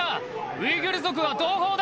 ウイグル族は同胞だ！